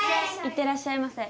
いってらっしゃいませ。